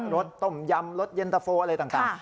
สต้มยำรสเย็นตะโฟอะไรต่าง